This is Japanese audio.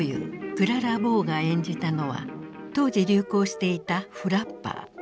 クララ・ボウが演じたのは当時流行していたフラッパー。